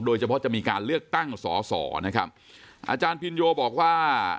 จะมีการเลือกตั้งสอสอนะครับอาจารย์พินโยบอกว่า